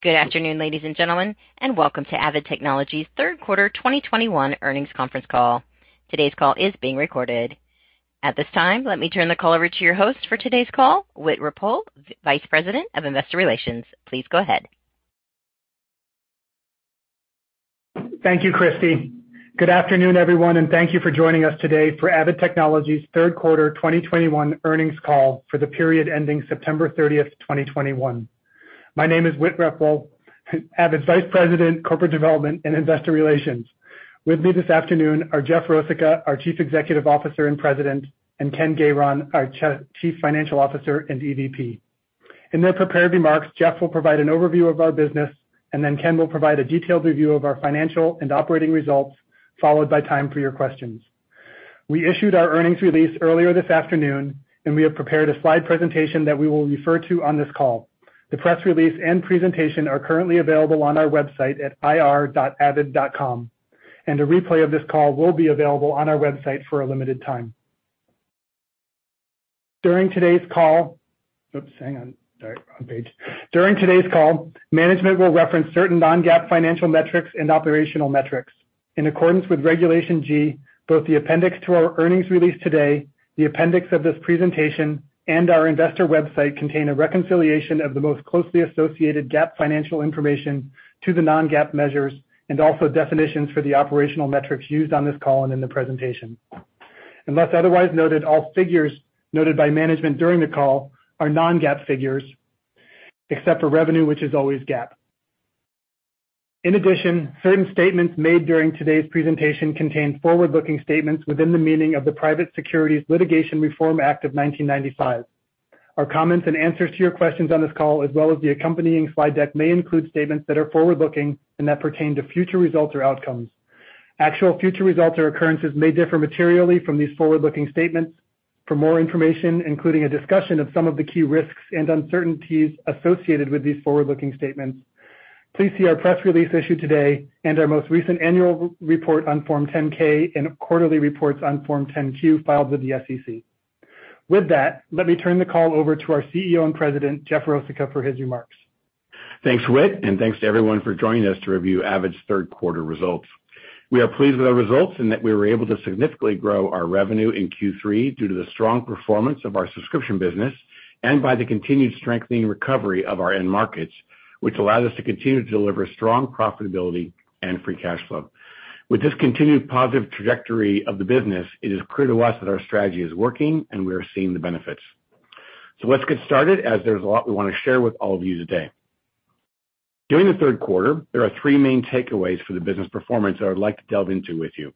Good afternoon, ladies and gentlemen, and welcome to Avid Technology's third quarter 2021 earnings conference call. Today's call is being recorded. At this time, let me turn the call over to your host for today's call, Whit Rappole, Vice President of Investor Relations. Please go ahead. Thank you, Christy. Good afternoon, everyone, and thank you for joining us today for Avid Technology's third quarter 2021 earnings call for the period ending September 30th, 2021. My name is Whit Rappole, Avid's Vice President, Corporate Development and Investor Relations. With me this afternoon are Jeff Rosica, our Chief Executive Officer and President, and Ken Gayron, our Chief Financial Officer and EVP. In their prepared remarks, Jeff will provide an overview of our business, and then Ken will provide a detailed review of our financial and operating results, followed by time for your questions. We issued our earnings release earlier this afternoon, and we have prepared a slide presentation that we will refer to on this call. The press release and presentation are currently available on our website at ir.avid.com, and a replay of this call will be available on our website for a limited time. During today's call, management will reference certain non-GAAP financial metrics and operational metrics. In accordance with Regulation G, both the appendix to our earnings release today, the appendix of this presentation, and our investor website contain a reconciliation of the most closely associated GAAP financial information to the non-GAAP measures and also definitions for the operational metrics used on this call and in the presentation. Unless otherwise noted, all figures noted by management during the call are non-GAAP figures, except for revenue, which is always GAAP. In addition, certain statements made during today's presentation contain forward-looking statements within the meaning of the Private Securities Litigation Reform Act of 1995. Our comments and answers to your questions on this call, as well as the accompanying slide deck, may include statements that are forward-looking and that pertain to future results or outcomes. Actual future results or occurrences may differ materially from these forward-looking statements. For more information, including a discussion of some of the key risks and uncertainties associated with these forward-looking statements, please see our press release issued today and our most recent annual report on Form 10-K and quarterly reports on Form 10-Q filed with the SEC. With that, let me turn the call over to our CEO and President, Jeff Rosica, for his remarks. Thanks, Whit, and thanks to everyone for joining us to review Avid's third quarter results. We are pleased with our results and that we were able to significantly grow our revenue in Q3 due to the strong performance of our subscription business and by the continued strengthening recovery of our end markets, which allowed us to continue to deliver strong profitability and free cash flow. With this continued positive trajectory of the business, it is clear to us that our strategy is working, and we are seeing the benefits. Let's get started, as there's a lot we wanna share with all of you today. During the third quarter, there are three main takeaways for the business performance that I would like to delve into with you.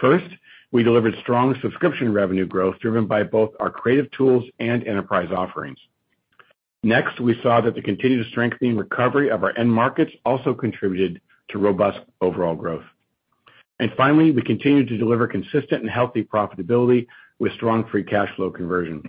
First, we delivered strong subscription revenue growth driven by both our creative tools and enterprise offerings. Next, we saw that the continued strengthening recovery of our end markets also contributed to robust overall growth. Finally, we continued to deliver consistent and healthy profitability with strong free cash flow conversion.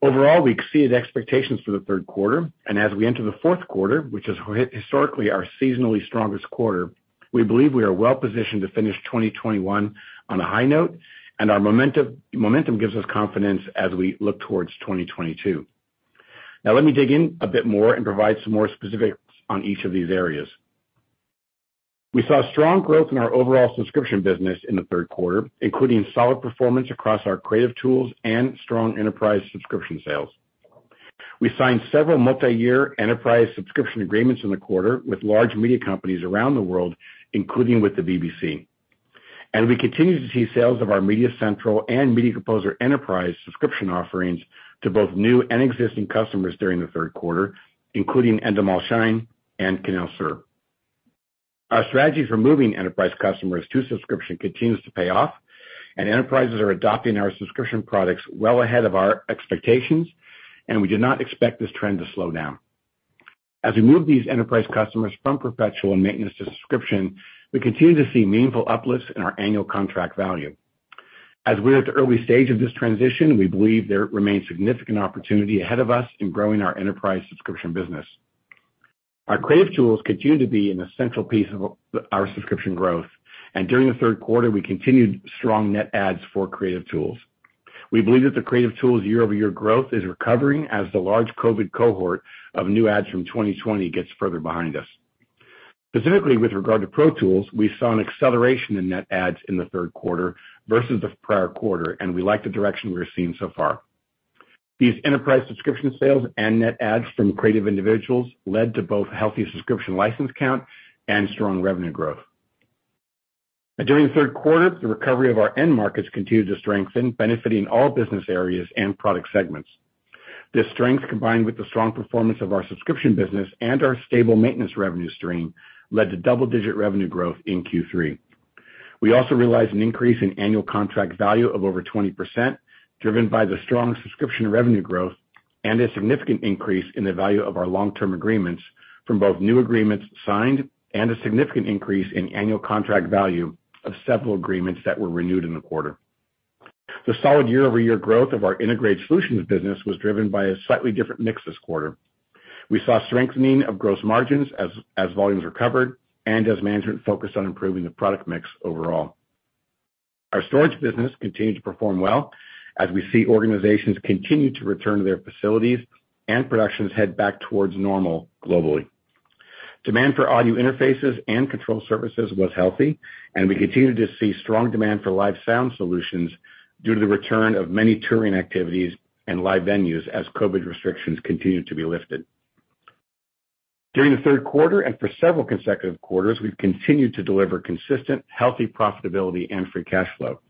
Overall, we exceeded expectations for the third quarter, and as we enter the fourth quarter, which is historically our seasonally strongest quarter, we believe we are well positioned to finish 2021 on a high note, and our momentum gives us confidence as we look towards 2022. Now, let me dig in a bit more and provide some more specifics on each of these areas. We saw strong growth in our overall subscription business in the third quarter, including solid performance across our creative tools and strong enterprise subscription sales. We signed several multiyear enterprise subscription agreements in the quarter with large media companies around the world, including with the BBC. We continued to see sales of our MediaCentral and Media Composer enterprise subscription offerings to both new and existing customers during the third quarter, including Endemol Shine and Canal Sur. Our strategy for moving enterprise customers to subscription continues to pay off, and enterprises are adopting our subscription products well ahead of our expectations, and we do not expect this trend to slow down. As we move these enterprise customers from perpetual and maintenance to subscription, we continue to see meaningful uplifts in our annual contract value. As we're at the early stage of this transition, we believe there remains significant opportunity ahead of us in growing our enterprise subscription business. Our creative tools continue to be an essential piece of our subscription growth. During the third quarter, we continued strong net adds for creative tools. We believe that the creative tools year-over-year growth is recovering as the large COVID cohort of new adds from 2020 gets further behind us. Specifically, with regard to Pro Tools, we saw an acceleration in net adds in the third quarter versus the prior quarter, and we like the direction we're seeing so far. These enterprise subscription sales and net adds from creative individuals led to both healthy subscription license count and strong revenue growth. During the third quarter, the recovery of our end markets continued to strengthen, benefiting all business areas and product segments. This strength, combined with the strong performance of our subscription business and our stable maintenance revenue stream, led to double-digit revenue growth in Q3. We also realized an increase in annual contract value of over 20%, driven by the strong subscription revenue growth and a significant increase in the value of our long-term agreements from both new agreements signed and a significant increase in annual contract value of several agreements that were renewed in the quarter. The solid year-over-year growth of our integrated solutions business was driven by a slightly different mix this quarter. We saw strengthening of gross margins as volumes recovered and as management focused on improving the product mix overall. Our storage business continued to perform well as we see organizations continue to return to their facilities and productions head back towards normal globally. Demand for audio interfaces and control services was healthy, and we continue to see strong demand for live sound solutions due to the return of many touring activities and live venues as COVID restrictions continue to be lifted. During the third quarter and for several consecutive quarters, we've continued to deliver consistent, healthy profitability and free cash flow.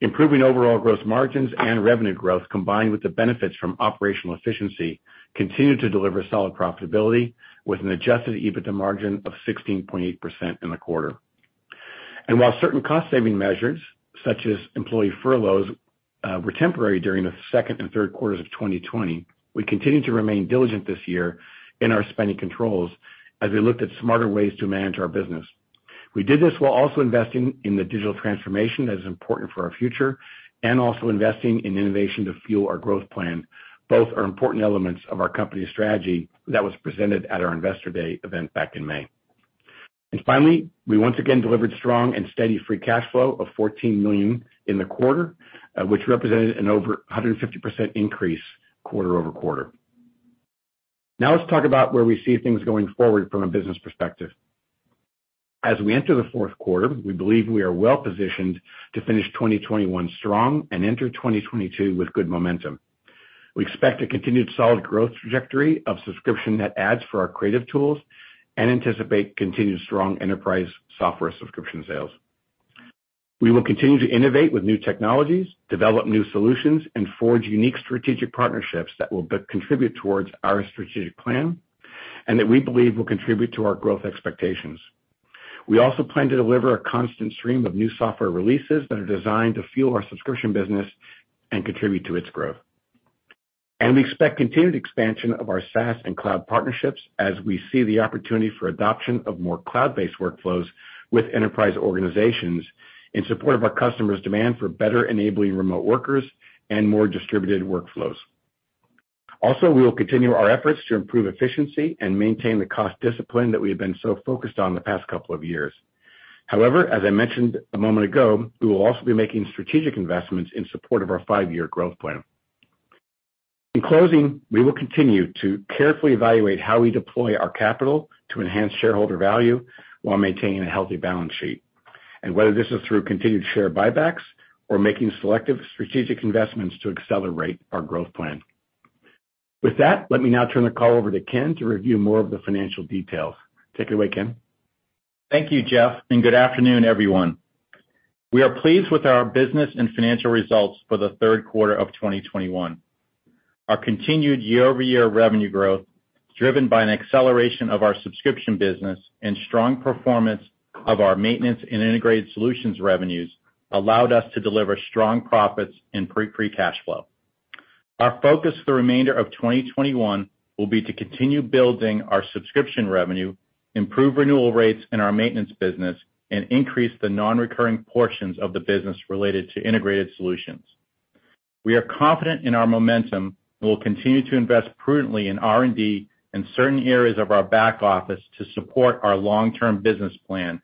Improving overall gross margins and revenue growth, combined with the benefits from operational efficiency, continued to deliver solid profitability with an adjusted EBITDA margin of 16.8% in the quarter. While certain cost-saving measures, such as employee furloughs, were temporary during the second and third quarters of 2020, we continued to remain diligent this year in our spending controls as we looked at smarter ways to manage our business. We did this while also investing in the digital transformation that is important for our future, and also investing in innovation to fuel our growth plan. Both are important elements of our company's strategy that was presented at our Investor Day event back in May. Finally, we once again delivered strong and steady free cash flow of $14 million in the quarter, which represented an over 150% increase quarter-over-quarter. Now let's talk about where we see things going forward from a business perspective. As we enter the fourth quarter, we believe we are well-positioned to finish 2021 strong and enter 2022 with good momentum. We expect a continued solid growth trajectory of subscription net adds for our creative tools and anticipate continued strong enterprise software subscription sales. We will continue to innovate with new technologies, develop new solutions, and forge unique strategic partnerships that will contribute towards our strategic plan and that we believe will contribute to our growth expectations. We also plan to deliver a constant stream of new software releases that are designed to fuel our subscription business and contribute to its growth. We expect continued expansion of our SaaS and cloud partnerships as we see the opportunity for adoption of more cloud-based workflows with enterprise organizations in support of our customers' demand for better enabling remote workers and more distributed workflows. Also, we will continue our efforts to improve efficiency and maintain the cost discipline that we have been so focused on the past couple of years. However, as I mentioned a moment ago, we will also be making strategic investments in support of our five-year growth plan. In closing, we will continue to carefully evaluate how we deploy our capital to enhance shareholder value while maintaining a healthy balance sheet, and whether this is through continued share buybacks or making selective strategic investments to accelerate our growth plan. With that, let me now turn the call over to Ken to review more of the financial details. Take it away, Ken. Thank you, Jeff, and good afternoon, everyone. We are pleased with our business and financial results for the third quarter of 2021. Our continued year-over-year revenue growth, driven by an acceleration of our subscription business and strong performance of our maintenance and integrated solutions revenues, allowed us to deliver strong profits and free cash flow. Our focus for the remainder of 2021 will be to continue building our subscription revenue, improve renewal rates in our maintenance business, and increase the non-recurring portions of the business related to integrated solutions. We are confident in our momentum and will continue to invest prudently in R&D and certain areas of our back office to support our long-term business plan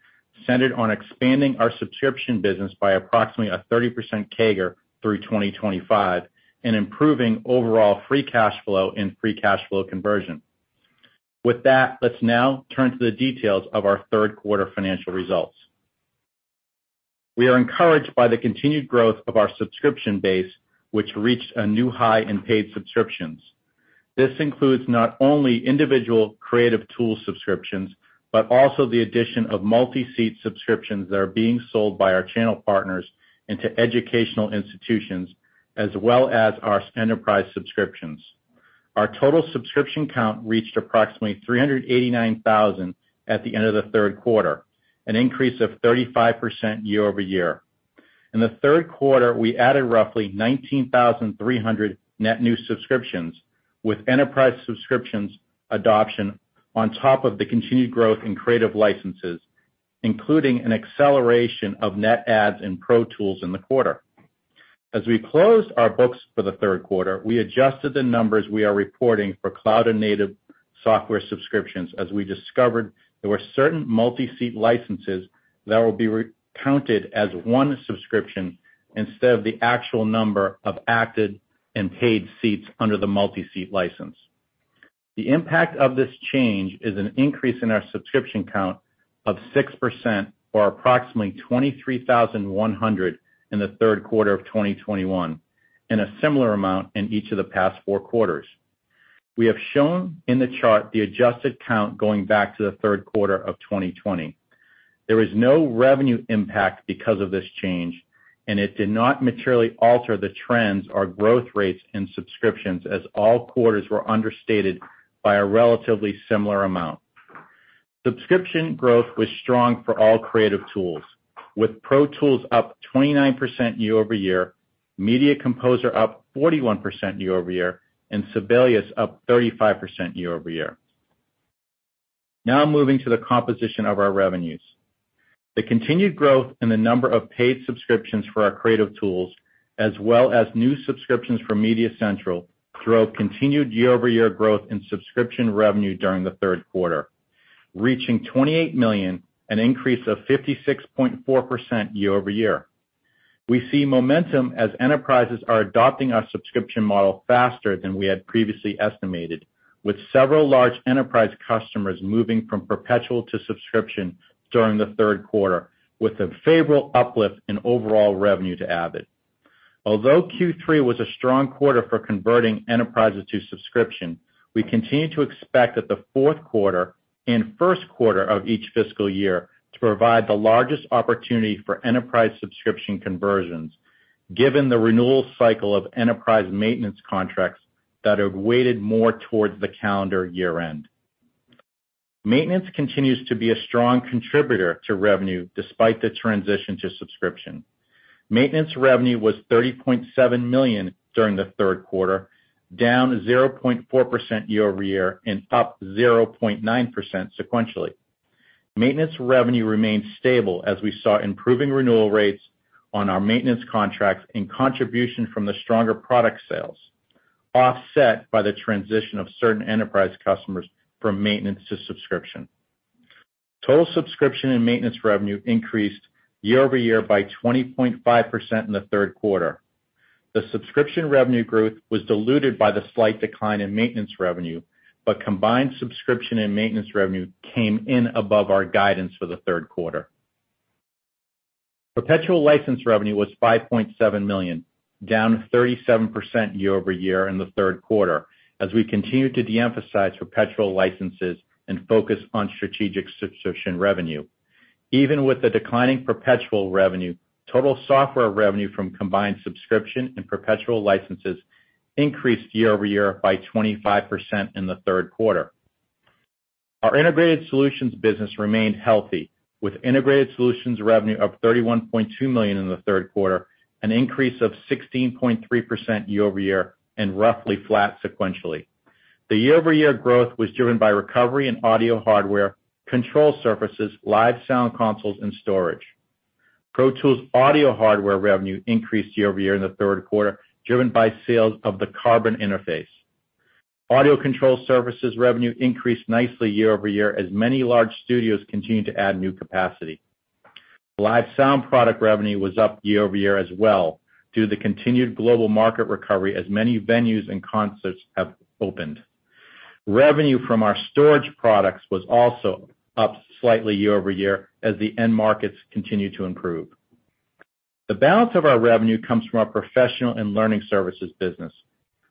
centered on expanding our subscription business by approximately a 30% CAGR through 2025 and improving overall free cash flow and free cash flow conversion. With that, let's now turn to the details of our third quarter financial results. We are encouraged by the continued growth of our subscription base, which reached a new high in paid subscriptions. This includes not only individual creative tool subscriptions, but also the addition of multi-seat subscriptions that are being sold by our channel partners into educational institutions, as well as our enterprise subscriptions. Our total subscription count reached approximately 389,000 at the end of the third quarter, an increase of 35% year-over-year. In the third quarter, we added roughly 19,300 net new subscriptions, with enterprise subscriptions adoption on top of the continued growth in creative licenses, including an acceleration of net adds in Pro Tools in the quarter. As we closed our books for the third quarter, we adjusted the numbers we are reporting for cloud and native software subscriptions, as we discovered there were certain multi-seat licenses that will be re-counted as one subscription instead of the actual number of active and paid seats under the multi-seat license. The impact of this change is an increase in our subscription count of 6% or approximately 23,100 in the third quarter of 2021, and a similar amount in each of the past four quarters. We have shown in the chart the adjusted count going back to the third quarter of 2020. There is no revenue impact because of this change, and it did not materially alter the trends or growth rates in subscriptions, as all quarters were understated by a relatively similar amount. Subscription growth was strong for all creative tools, with Pro Tools up 29% year-over-year, Media Composer up 41% year-over-year, and Sibelius up 35% year-over-year. Now moving to the composition of our revenues. The continued growth in the number of paid subscriptions for our creative tools, as well as new subscriptions from MediaCentral, drove continued year-over-year growth in subscription revenue during the third quarter, reaching $28 million, an increase of 56.4% year-over-year. We see momentum as enterprises are adopting our subscription model faster than we had previously estimated, with several large enterprise customers moving from perpetual to subscription during the third quarter, with a favorable uplift in overall revenue to Avid. Although Q3 was a strong quarter for converting enterprises to subscription, we continue to expect that the fourth quarter and first quarter of each fiscal year to provide the largest opportunity for enterprise subscription conversions, given the renewal cycle of enterprise maintenance contracts that have weighted more towards the calendar year-end. Maintenance continues to be a strong contributor to revenue despite the transition to subscription. Maintenance revenue was $30.7 million during the third quarter, down 0.4% year-over-year and up 0.9% sequentially. Maintenance revenue remained stable as we saw improving renewal rates on our maintenance contracts and contribution from the stronger product sales, offset by the transition of certain enterprise customers from maintenance to subscription. Total subscription and maintenance revenue increased year-over-year by 20.5% in the third quarter. The subscription revenue growth was diluted by the slight decline in maintenance revenue, but combined subscription and maintenance revenue came in above our guidance for the third quarter. Perpetual license revenue was $5.7 million, down 37% year-over-year in the third quarter as we continued to de-emphasize perpetual licenses and focus on strategic subscription revenue. Even with the declining perpetual revenue, total software revenue from combined subscription and perpetual licenses increased year-over-year by 25% in the third quarter. Our integrated solutions business remained healthy, with integrated solutions revenue up $31.2 million in the third quarter, an increase of 16.3% year-over-year and roughly flat sequentially. The year-over-year growth was driven by recovery in audio hardware, control surfaces, live sound consoles, and storage. Pro Tools audio hardware revenue increased year-over-year in the third quarter, driven by sales of the Carbon interface. Audio control surfaces revenue increased nicely year-over-year as many large studios continued to add new capacity. Live sound product revenue was up year-over-year as well due to the continued global market recovery as many venues and concerts have opened. Revenue from our storage products was also up slightly year-over-year as the end markets continue to improve. The balance of our revenue comes from our professional and learning services business.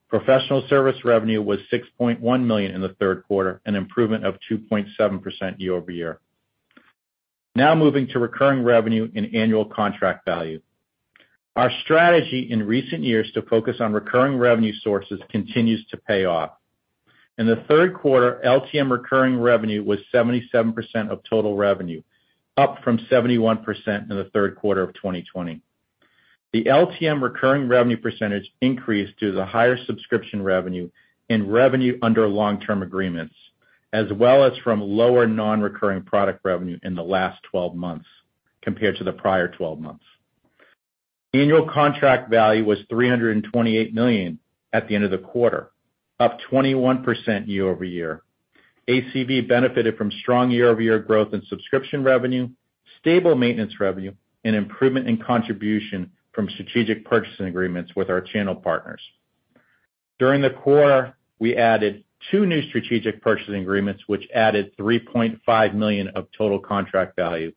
Professional service revenue was $6.1 million in the third quarter, an improvement of 2.7% year-over-year. Now moving to recurring revenue and annual contract value. Our strategy in recent years to focus on recurring revenue sources continues to pay off. In the third quarter, LTM recurring revenue was 77% of total revenue, up from 71% in the third quarter of 2020. The LTM recurring revenue percentage increased due to the higher subscription revenue and revenue under long-term agreements, as well as from lower non-recurring product revenue in the last twelve months compared to the prior twelve months. Annual contract value was $328 million at the end of the quarter, up 21% year-over-year. ACV benefited from strong year-over-year growth in subscription revenue, stable maintenance revenue, and improvement in contribution from strategic purchasing agreements with our channel partners. During the quarter, we added two new strategic purchasing agreements, which added $3.5 million of total contract value,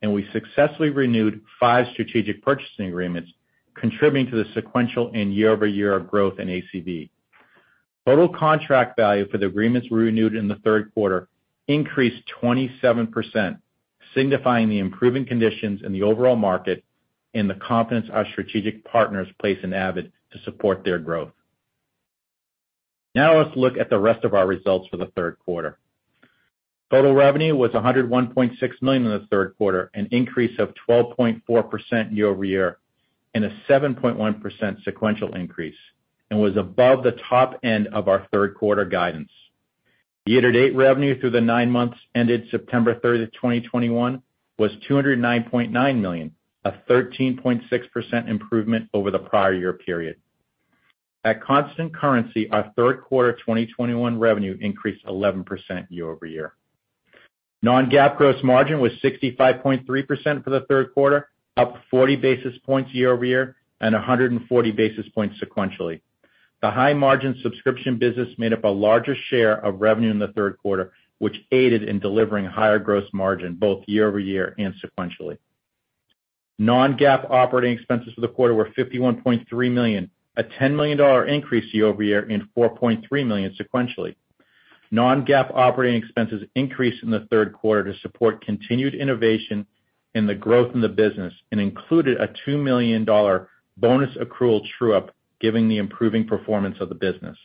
and we successfully renewed 5 strategic purchasing agreements, contributing to the sequential and year-over-year growth in ACV. Total contract value for the agreements we renewed in the third quarter increased 27%, signifying the improving conditions in the overall market and the confidence our strategic partners place in Avid to support their growth. Now let's look at the rest of our results for the third quarter. Total revenue was $101.6 million in the third quarter, an increase of 12.4% year-over-year and a 7.1% sequential increase, and was above the top end of our third quarter guidance. Year-to-date revenue through the nine months ended September 30th, 2021 was $209.9 million, a 13.6% improvement over the prior year period. At constant currency, our third quarter 2021 revenue increased 11% year-over-year. Non-GAAP gross margin was 65.3% for the third quarter, up 40 basis points year over year and 140 basis points sequentially. The high-margin subscription business made up a larger share of revenue in the third quarter, which aided in delivering higher gross margin both year over year and sequentially. Non-GAAP operating expenses for the quarter were $51.3 million, a $10 million increase year-over-year and $4.3 million sequentially. Non-GAAP operating expenses increased in the third quarter to support continued innovation and the growth in the business and included a $2 million bonus accrual true-up given the improving performance of the business.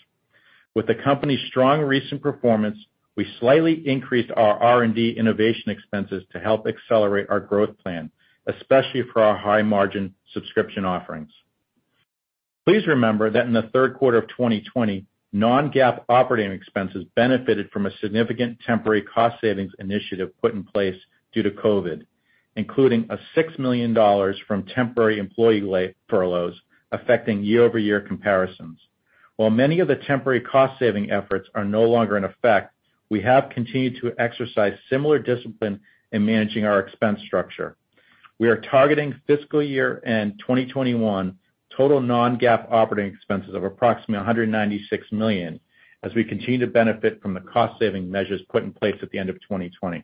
With the company's strong recent performance, we slightly increased our R&D innovation expenses to help accelerate our growth plan, especially for our high-margin subscription offerings. Please remember that in the third quarter of 2020, non-GAAP operating expenses benefited from a significant temporary cost savings initiative put in place due to COVID, including $6 million from temporary employee furloughs affecting year-over-year comparisons. While many of the temporary cost-saving efforts are no longer in effect, we have continued to exercise similar discipline in managing our expense structure. We are targeting fiscal year-end 2021 total non-GAAP operating expenses of approximately $196 million as we continue to benefit from the cost-saving measures put in place at the end of 2020.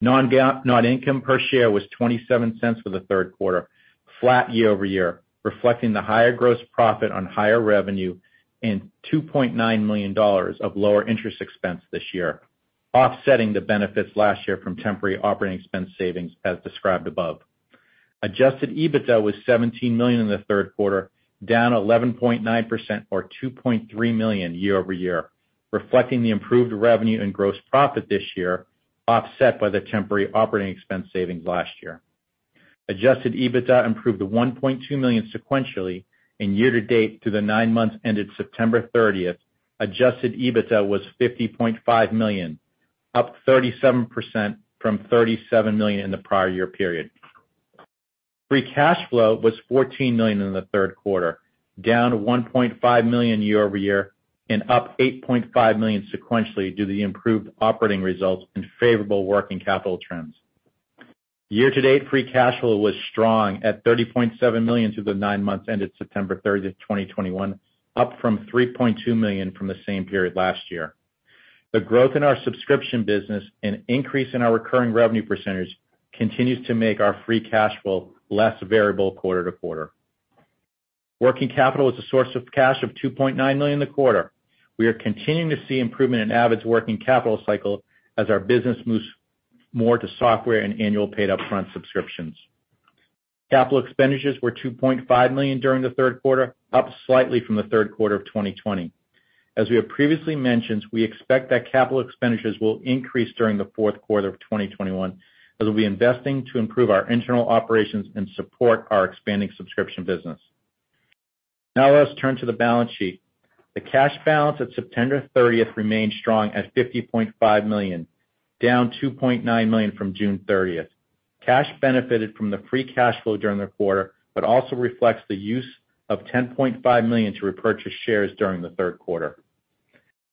Non-GAAP net income per share was $0.27 for the third quarter, flat year-over-year, reflecting the higher gross profit on higher revenue and $2.9 million of lower interest expense this year, offsetting the benefits last year from temporary operating expense savings as described above. Adjusted EBITDA was $17 million in the third quarter, down 11.9% or $2.3 million year-over-year, reflecting the improved revenue and gross profit this year, offset by the temporary operating expense savings last year. Adjusted EBITDA improved to $1.2 million sequentially. Year-to-date through the nine months ended September 30th, Adjusted EBITDA was $50.5 million, up 37% from $37 million in the prior year period. Free cash flow was $14 million in the third quarter, down to $1.5 million year-over-year and up $8.5 million sequentially due to the improved operating results and favorable working capital trends. Year-to-date free cash flow was strong at $30.7 million through the nine months ended September 30, 2021, up from $3.2 million from the same period last year. The growth in our subscription business and increase in our recurring revenue percentage continues to make our free cash flow less variable quarter-to-quarter. Working capital was a source of cash of $2.9 million in the quarter. We are continuing to see improvement in Avid's working capital cycle as our business moves more to software and annual paid upfront subscriptions. Capital expenditures were $2.5 million during the third quarter, up slightly from the third quarter of 2020. As we have previously mentioned, we expect that capital expenditures will increase during the fourth quarter of 2021, as we'll be investing to improve our internal operations and support our expanding subscription business. Now let's turn to the balance sheet. The cash balance at September 30th remained strong at $50.5 million, down $2.9 million from June 30th. Cash benefited from the free cash flow during the quarter, but also reflects the use of $10.5 million to repurchase shares during the third quarter.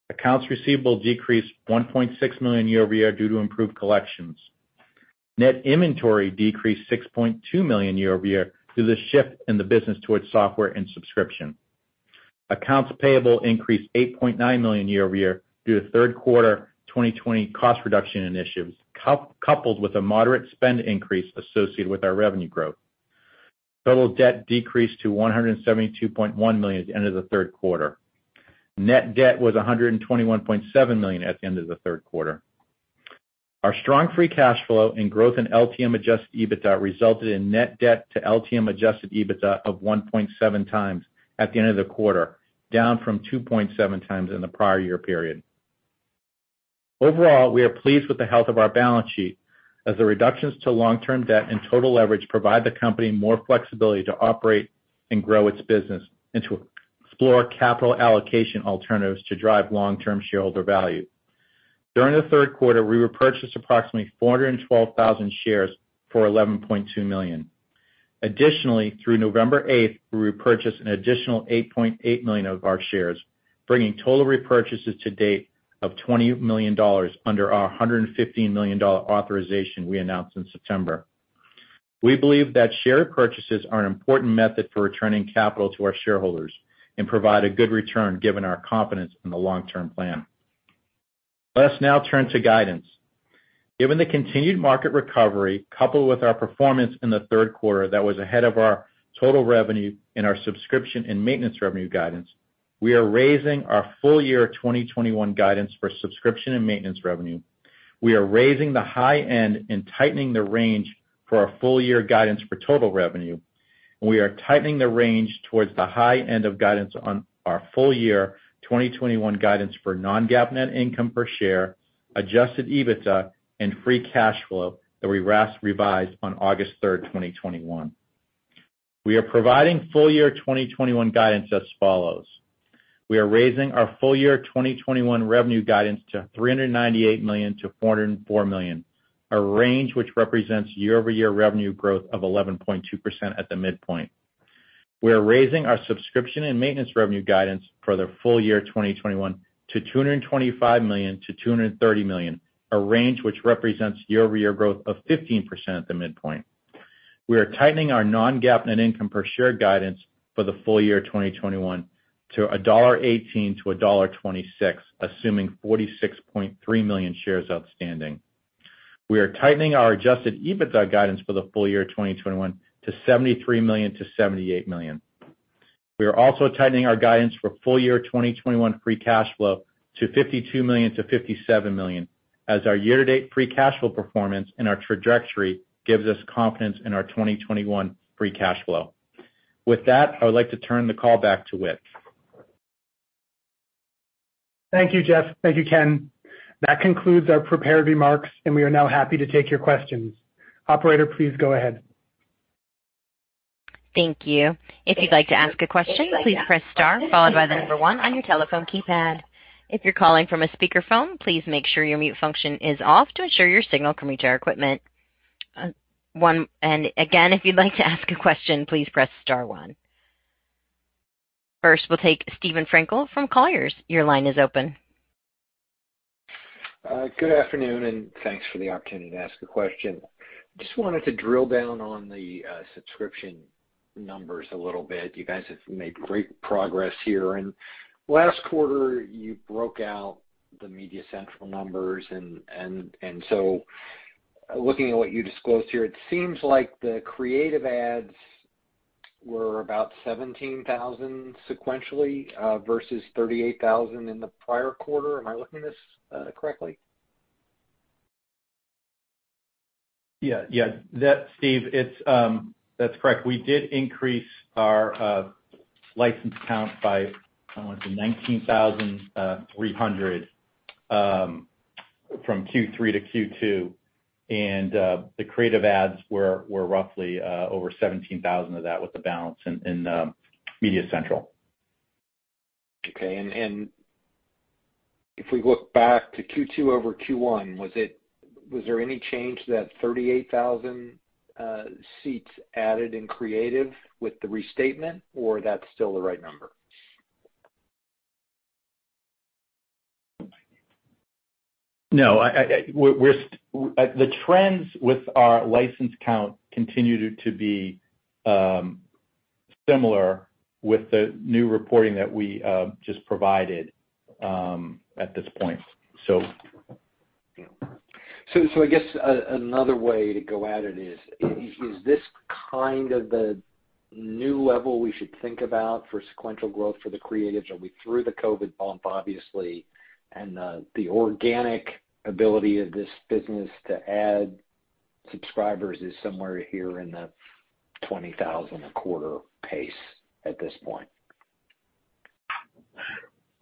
Accounts receivable decreased $1.6 million year-over-year due to improved collections. Net inventory decreased $6.2 million year-over-year due to the shift in the business towards software and subscription. Accounts payable increased $8.9 million year-over-year due to third quarter 2020 cost reduction initiatives, coupled with a moderate spend increase associated with our revenue growth. Total debt decreased to $172.1 million at the end of the third quarter. Net debt was $121.7 million at the end of the third quarter. Our strong free cash flow and growth in LTM adjusted EBITDA resulted in net debt to LTM adjusted EBITDA of 1.7 times at the end of the quarter, down from 2.7 times in the prior year period. Overall, we are pleased with the health of our balance sheet as the reductions to long-term debt and total leverage provide the company more flexibility to operate and grow its business and to explore capital allocation alternatives to drive long-term shareholder value. During the third quarter, we repurchased approximately 412,000 shares for $11.2 million. Additionally, through November 8th, we repurchased an additional 8.8 million of our shares, bringing total repurchases to date of $20 million under our $115 million authorization we announced in September. We believe that share purchases are an important method for returning capital to our shareholders and provide a good return given our confidence in the long-term plan. Let us now turn to guidance. Given the continued market recovery, coupled with our performance in the third quarter that was ahead of our total revenue and our subscription and maintenance revenue guidance, we are raising our full year 2021 guidance for subscription and maintenance revenue. We are raising the high end and tightening the range for our full year guidance for total revenue, and we are tightening the range towards the high end of guidance on our full year 2021 guidance for non-GAAP net income per share, adjusted EBITDA and free cash flow that we revised on August 3, 2021. We are providing full year 2021 guidance as follows. We are raising our full year 2021 revenue guidance to $398 million-$404 million, a range which represents year-over-year revenue growth of 11.2% at the midpoint. We are raising our subscription and maintenance revenue guidance for the full year 2021 to $225 million-$230 million, a range which represents year-over-year growth of 15% at the midpoint. We are tightening our non-GAAP net income per share guidance for the full year 2021 to $1.18-$1.26, assuming 46.3 million shares outstanding. We are tightening our adjusted EBITDA guidance for the full year 2021 to $73 million-$78 million. We are also tightening our guidance for full year 2021 free cash flow to $52 million-$57 million as our year-to-date free cash flow performance and our trajectory gives us confidence in our 2021 free cash flow. With that, I would like to turn the call back to Whit. Thank you, Jeff. Thank you, Ken. That concludes our prepared remarks, and we are now happy to take your questions. Operator, please go ahead. Thank you. If you'd like to ask a question, please press star followed by the number one on your telephone keypad. If you're calling from a speakerphone, please make sure your mute function is off to ensure your signal can reach our equipment. Again, if you'd like to ask a question, please press star one. First, we'll take Steven Frankel from Colliers. Your line is open. Good afternoon, and thanks for the opportunity to ask a question. Just wanted to drill down on the subscription numbers a little bit. You guys have made great progress here, and last quarter, you broke out the MediaCentral numbers and so looking at what you disclosed here, it seems like the creative ACVs were about 17,000 sequentially versus 38,000 in the prior quarter. Am I looking at this correctly? Yeah. Yeah, that's correct. We did increase our license count by, I want to say 19,300 from Q2 to Q3, and the creative apps were roughly over 17,000 of that with the balance in MediaCentral. If we look back to Q2 over Q1, was there any change to that 38,000 seats added in creative with the restatement, or that's still the right number? No, the trends with our license count continue to be similar with the new reporting that we just provided at this point. I guess another way to go at it is this kind of the new level we should think about for sequential growth for the creative? Are we through the COVID bump, obviously, and the organic ability of this business to add subscribers is somewhere here in the 20,000 a quarter pace at this point?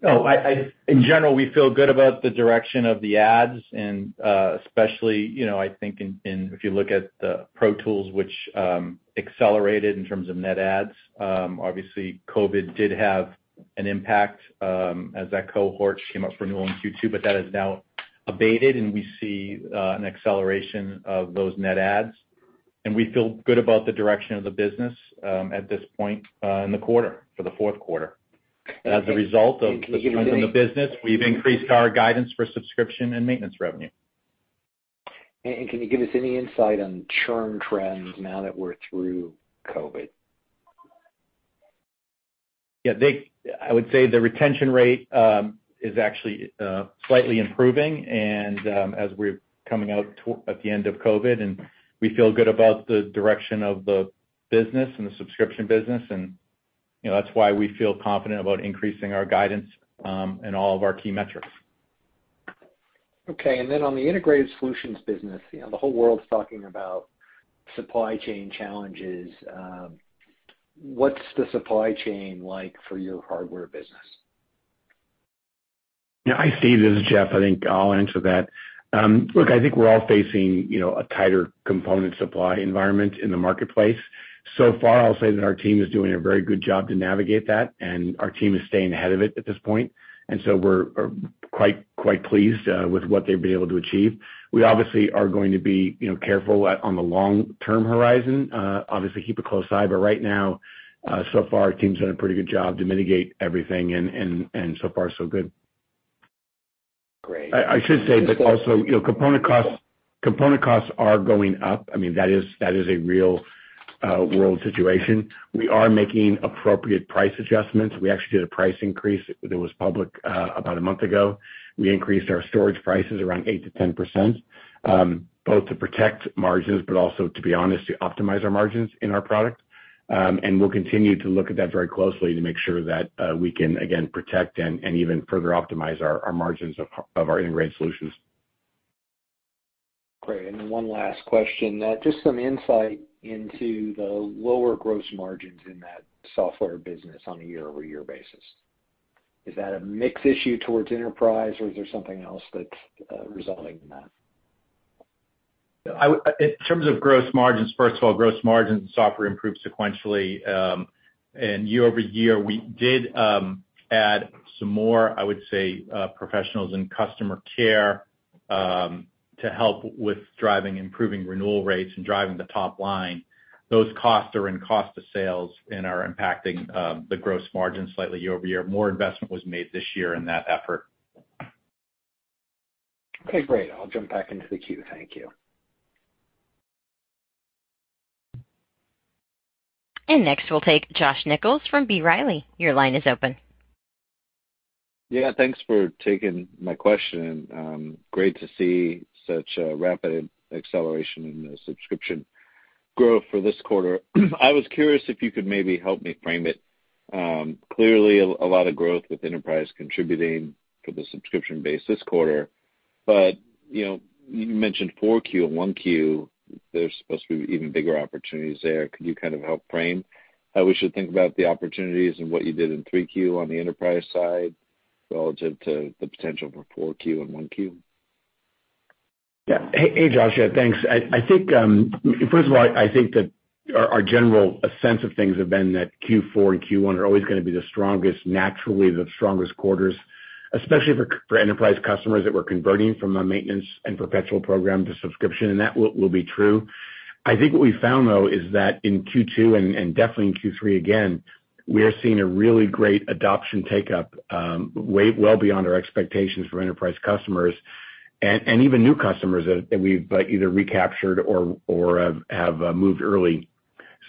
No. In general, we feel good about the direction of the adds and, especially, you know, I think if you look at the Pro Tools, which accelerated in terms of net adds, obviously COVID did have an impact, as that cohort came up for renewal in Q2, but that has now abated, and we see an acceleration of those net adds. We feel good about the direction of the business, at this point in the quarter, for the fourth quarter. As a result of the strength in the business, we've increased our guidance for subscription and maintenance revenue. Can you give us any insight on churn trends now that we're through COVID? Yeah. I would say the retention rate is actually slightly improving and, as we're coming out at the end of COVID, and we feel good about the direction of the business and the subscription business and, you know, that's why we feel confident about increasing our guidance in all of our key metrics. Okay. On the integrated solutions business, you know, the whole world's talking about supply chain challenges. What's the supply chain like for your hardware business? Yeah. Hi, Steve, this is Jeff. I think I'll answer that. Look, I think we're all facing, you know, a tighter component supply environment in the marketplace. So far, I'll say that our team is doing a very good job to navigate that, and our team is staying ahead of it at this point. We're quite pleased with what they've been able to achieve. We obviously are going to be, you know, careful on the long-term horizon, obviously keep a close eye. Right now, so far our team's done a pretty good job to mitigate everything and so far so good. Great. I should say that also, you know, component costs are going up. I mean, that is a real world situation. We are making appropriate price adjustments. We actually did a price increase that was public about a month ago. We increased our storage prices around 8%-10%, both to protect margins, but also, to be honest, to optimize our margins in our product. We'll continue to look at that very closely to make sure that we can again protect and even further optimize our margins of our integrated solutions. Great. One last question. Just some insight into the lower gross margins in that software business on a year-over-year basis. Is that a mix issue towards enterprise or is there something else that's resulting in that? In terms of gross margins, first of all, gross margins in software improved sequentially. Year over year, we did add some more, I would say, professionals in customer care, to help with driving improving renewal rates and driving the top line. Those costs are in cost of sales and are impacting the gross margin slightly year over year. More investment was made this year in that effort. Okay, great. I'll jump back into the queue. Thank you. Next, we'll take Josh Nichols from B. Riley. Your line is open. Yeah. Thanks for taking my question. Great to see such a rapid acceleration in the subscription growth for this quarter. I was curious if you could maybe help me frame it. Clearly a lot of growth with enterprise contributing to the subscription base this quarter. You know, you mentioned 4Q and 1Q. There's supposed to be even bigger opportunities there. Could you kind of help frame how we should think about the opportunities and what you did in 3Q on the enterprise side relative to the potential for 4Q and 1Q? Yeah. Hey, Josh. Yeah, thanks. I think first of all, I think that our general sense of things have been that Q4 and Q1 are always gonna be the strongest, naturally the strongest quarters, especially for enterprise customers that we're converting from a maintenance and perpetual program to subscription, and that will be true. I think what we found, though, is that in Q2 and definitely in Q3 again, we are seeing a really great adoption uptake well beyond our expectations for enterprise customers and even new customers that we've either recaptured or have moved early.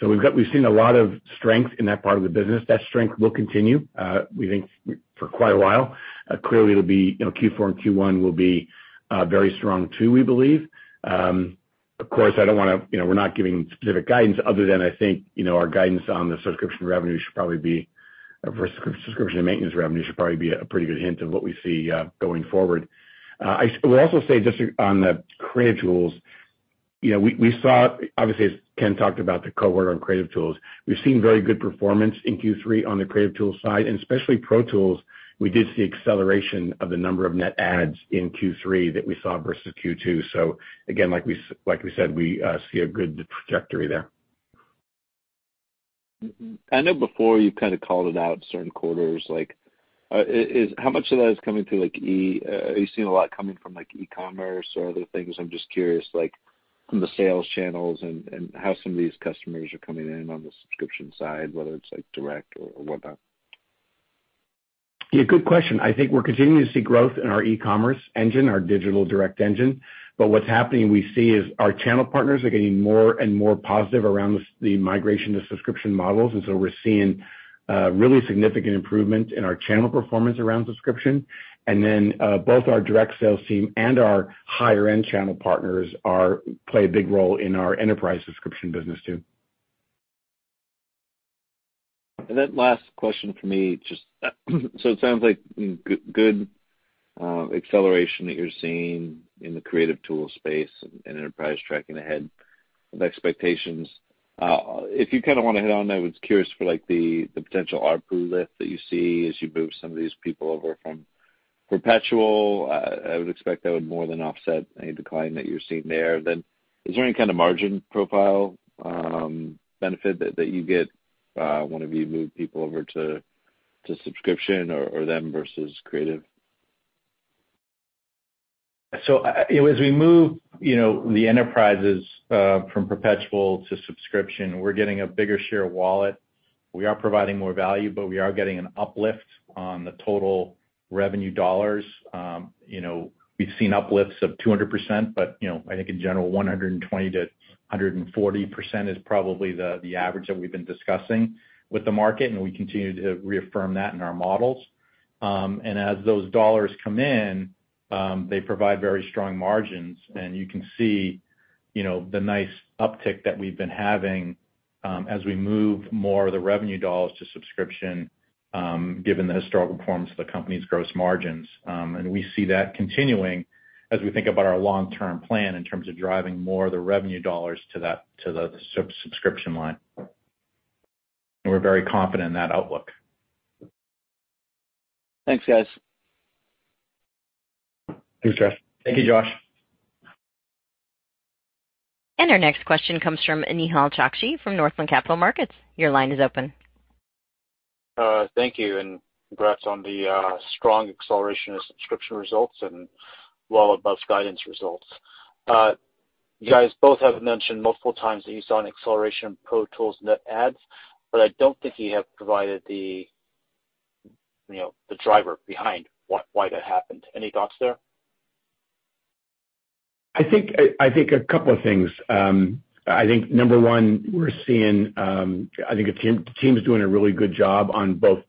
We've seen a lot of strength in that part of the business. That strength will continue, we think for quite a while. Clearly it'll be, you know, Q4 and Q1 will be very strong too, we believe. Of course, I don't wanna, you know, we're not giving specific guidance other than I think, you know, our guidance on the subscription revenue should probably be for subscription and maintenance revenue should probably be a pretty good hint of what we see going forward. I will also say just on the creative tools, you know, we saw obviously, as Ken talked about the cohort on creative tools, we've seen very good performance in Q3 on the creative tools side, and especially Pro Tools, we did see acceleration of the number of net adds in Q3 that we saw versus Q2. Again, like we said, we see a good trajectory there. I know before you kind of called it out certain quarters, like, how much of that is coming through like, are you seeing a lot coming from like e-commerce or other things? I'm just curious, like from the sales channels and how some of these customers are coming in on the subscription side, whether it's like direct or whatnot. Yeah, good question. I think we're continuing to see growth in our e-commerce engine, our digital direct engine. What's happening we see is our channel partners are getting more and more positive around the migration to subscription models. We're seeing really significant improvement in our channel performance around subscription. Both our direct sales team and our higher end channel partners play a big role in our enterprise subscription business too. Then last question for me, just so it sounds like good acceleration that you're seeing in the creative tool space and enterprise tracking ahead of expectations. If you kinda wanna hit on that, I was curious for like the potential ARPU lift that you see as you move some of these people over from perpetual. I would expect that would more than offset any decline that you're seeing there. Then is there any kind of margin profile benefit that you get whenever you move people over to subscription or them versus creative? As we move, you know, the enterprises from perpetual to subscription, we're getting a bigger share of wallet. We are providing more value, but we are getting an uplift on the total revenue dollars. You know, we've seen uplifts of 200%, but you know, I think in general 120%-140% is probably the average that we've been discussing with the market, and we continue to reaffirm that in our models. As those dollars come in, they provide very strong margins. You can see, you know, the nice uptick that we've been having, as we move more of the revenue dollars to subscription, given the historical performance of the company's gross margins. We see that continuing as we think about our long-term plan in terms of driving more of the revenue dollars to that, to the subscription line. We're very confident in that outlook. Thanks, guys. Thanks, Josh. Thank you, Josh. Our next question comes from Nehal Chokshi from Northland Capital Markets. Your line is open. Thank you and congrats on the strong acceleration of subscription results and well above guidance results. You guys both have mentioned multiple times that you saw an acceleration Pro Tools net adds, but I don't think you have provided the, you know, the driver behind why that happened. Any thoughts there? I think a couple of things. I think number one, we're seeing the team's doing a really good job on both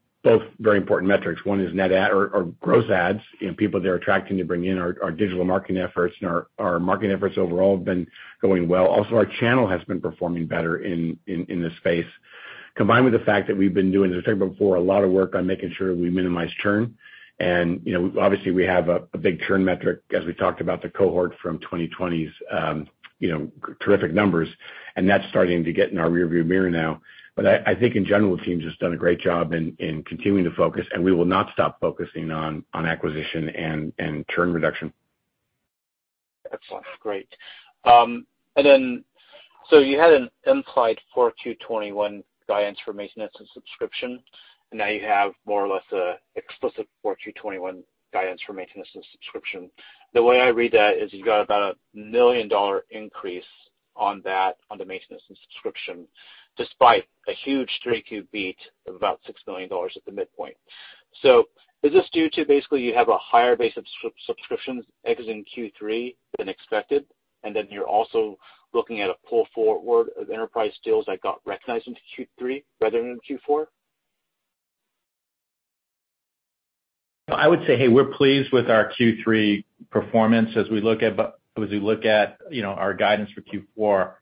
very important metrics. One is net add or gross adds, you know, people they're attracting to bring in our digital marketing efforts and our marketing efforts overall have been going well. Also, our channel has been performing better in this space. Combined with the fact that we've been doing, as I said before, a lot of work on making sure we minimize churn. You know, obviously we have a big churn metric as we talked about the cohort from 2020's terrific numbers, and that's starting to get in our rearview mirror now. I think in general, the team's just done a great job in continuing to focus, and we will not stop focusing on acquisition and churn reduction. Excellent. Great. You had an implied 4Q 2021 guidance for maintenance and subscription, now you have more or less an explicit 4Q 2021 guidance for maintenance and subscription. The way I read that is you've got about $1 million increase on that, on the maintenance and subscription despite a huge 3Q beat of about $6 million at the midpoint. Is this due to basically you have a higher base of subscriptions exiting Q3 than expected, and then you're also looking at a pull forward of enterprise deals that got recognized into Q3 rather than in Q4? I would say, hey, we're pleased with our Q3 performance as we look at, you know, our guidance for Q4.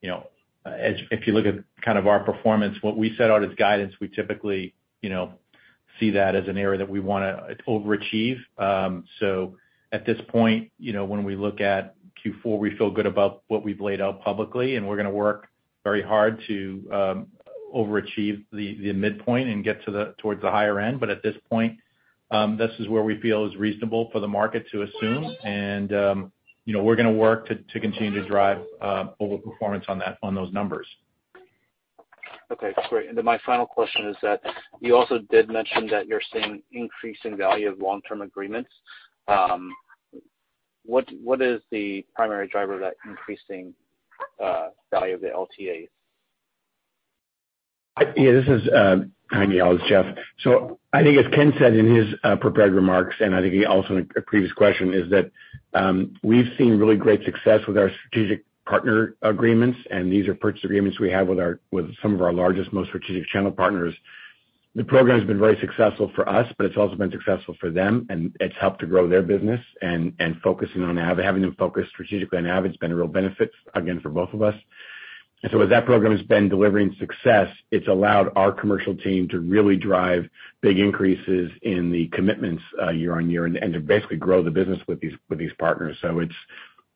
You know, as if you look at kind of our performance, what we set out as guidance, we typically, you know, see that as an area that we wanna overachieve. So at this point, you know, when we look at Q4, we feel good about what we've laid out publicly, and we're gonna work very hard to overachieve the midpoint and get towards the higher end. At this point, this is where we feel is reasonable for the market to assume. You know, we're gonna work to continue to drive overperformance on that, on those numbers. Okay. Great. My final question is that you also did mention that you're seeing increasing value of long-term agreements. What is the primary driver of that increasing value of the LTAs? This is Jeff. I think as Ken said in his prepared remarks, and I think he also in a previous question is that we've seen really great success with our strategic partner agreements, and these are purchase agreements we have with some of our largest, most strategic channel partners. The program's been very successful for us, but it's also been successful for them, and it's helped to grow their business and focusing on Avid. Having them focus strategically on Avid's been a real benefit, again, for both of us. As that program has been delivering success, it's allowed our commercial team to really drive big increases in the commitments year on year and to basically grow the business with these partners. It's,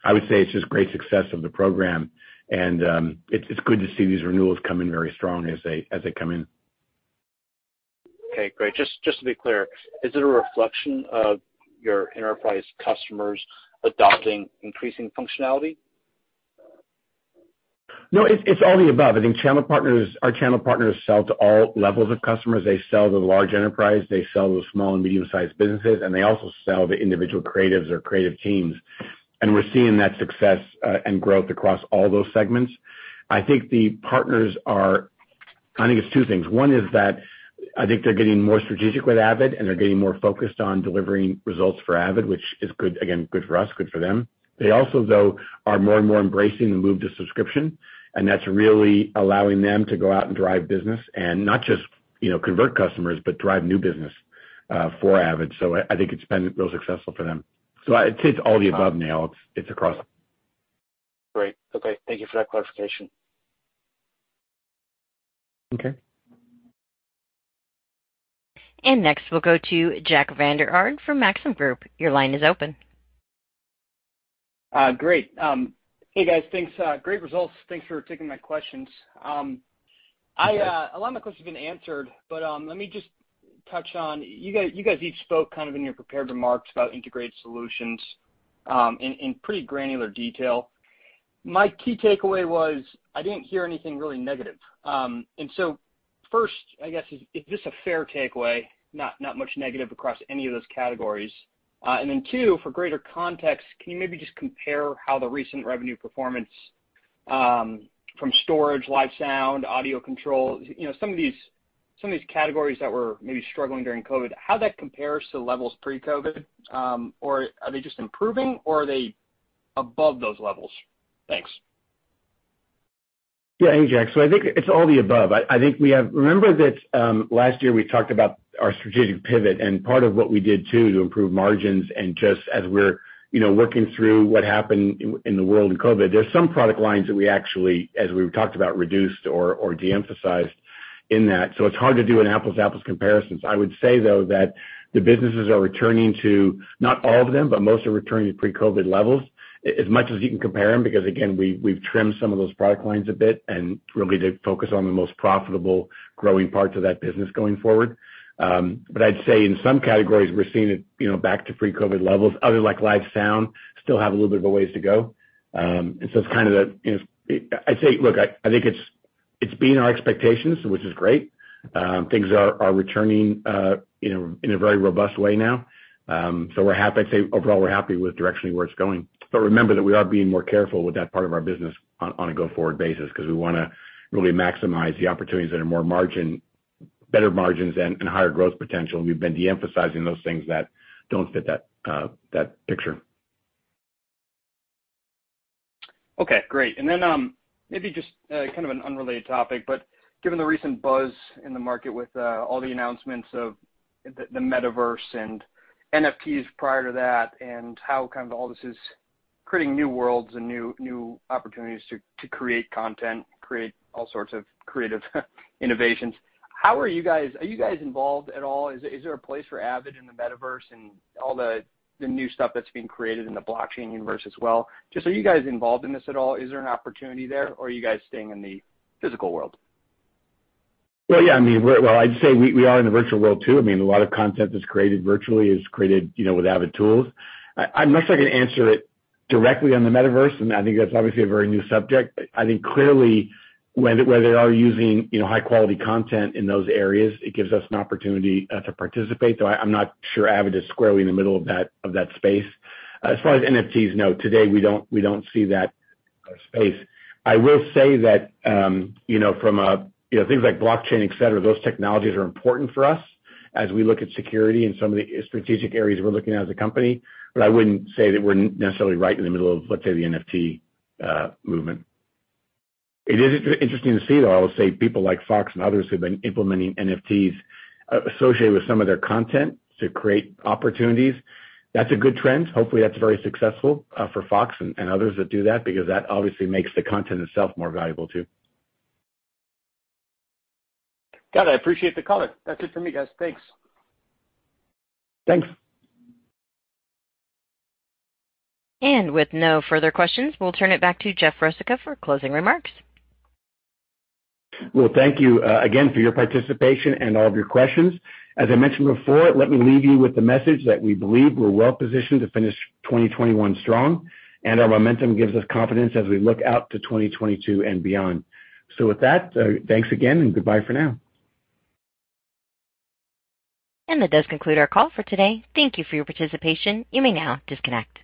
I would say, just great success of the program, and it's good to see these renewals come in very strong as they come in. Okay. Great. Just to be clear, is it a reflection of your enterprise customers adopting increasing functionality? No, it's all the above. I think channel partners, our channel partners sell to all levels of customers. They sell to the large enterprise, they sell to small and medium sized businesses, and they also sell to individual creatives or creative teams. We're seeing that success, and growth across all those segments. I think the partners are. I think it's two things. One is that I think they're getting more strategic with Avid, and they're getting more focused on delivering results for Avid, which is good. Again, good for us, good for them. They also, though, are more and more embracing the move to subscription, and that's really allowing them to go out and drive business and not just, you know, convert customers, but drive new business, for Avid. I think it's been real successful for them. I'd say it's all the above, Neal. It's across. Great. Okay. Thank you for that clarification. Okay. Next, we'll go to Jack Vander Aarde from Maxim Group. Your line is open. Great. Hey, guys. Thanks. Great results. Thanks for taking my questions. A lot of my questions have been answered, but let me just touch on you guys each spoke kind of in your prepared remarks about integrated solutions in pretty granular detail. My key takeaway was I didn't hear anything really negative. First, I guess, is this a fair takeaway, not much negative across any of those categories? Then two, for greater context, can you maybe just compare how the recent revenue performance from storage, live sound, audio control, you know, some of these categories that were maybe struggling during COVID, how that compares to levels pre-COVID? Or are they just improving or are they above those levels? Thanks. Yeah. Hey, Jack. I think it's all the above. I think we have. Remember that last year we talked about our strategic pivot and part of what we did too to improve margins and just as we're you know working through what happened in the world in COVID, there's some product lines that we actually as we've talked about reduced or de-emphasized in that, so it's hard to do an apples-to-apples comparisons. I would say though that the businesses are returning to, not all of them, but most are returning to pre-COVID levels as much as you can compare them, because again, we've trimmed some of those product lines a bit and really to focus on the most profitable growing parts of that business going forward. But I'd say in some categories we're seeing it you know back to pre-COVID levels. Others like live sound still have a little bit of a ways to go. It's kind of that, you know, I'd say, look, I think it's been our expectations, which is great. Things are returning, you know, in a very robust way now. I'd say overall we're happy with directionally where it's going. Remember that we are being more careful with that part of our business on a go-forward basis 'cause we wanna really maximize the opportunities that are more margin, better margins and higher growth potential. We've been de-emphasizing those things that don't fit that picture. Okay, great. Maybe just kind of an unrelated topic, but given the recent buzz in the market with all the announcements of the metaverse and NFTs prior to that and how kind of all this is creating new worlds and new opportunities to create content, create all sorts of creative innovations, how are you guys involved at all? Is there a place for Avid in the metaverse and all the new stuff that's being created in the blockchain universe as well? Just are you guys involved in this at all? Is there an opportunity there or are you guys staying in the physical world? Well, yeah, I mean, we're in the virtual world too. I'd say we are in the virtual world too. I mean, a lot of content that's created virtually is created, you know, with Avid tools. I'm not sure I can answer it directly on the metaverse, and I think that's obviously a very new subject. I think clearly where they are using, you know, high quality content in those areas, it gives us an opportunity to participate. I'm not sure Avid is squarely in the middle of that space. As far as NFTs, no. Today we don't see that space. I will say that, you know, from a, you know, things like blockchain, et cetera, those technologies are important for us as we look at security and some of the strategic areas we're looking at as a company. I wouldn't say that we're necessarily right in the middle of, let's say, the NFT movement. It is interesting to see, though, I will say people like Fox and others who've been implementing NFTs associated with some of their content to create opportunities. That's a good trend. Hopefully, that's very successful for Fox and others that do that because that obviously makes the content itself more valuable too. Got it. I appreciate the color. That's it for me, guys. Thanks. Thanks. With no further questions, we'll turn it back to Jeff Rosica for closing remarks. Well, thank you again for your participation and all of your questions. As I mentioned before, let me leave you with the message that we believe we're well positioned to finish 2021 strong, and our momentum gives us confidence as we look out to 2022 and beyond. With that, thanks again, and goodbye for now. That does conclude our call for today. Thank you for your participation. You may now disconnect.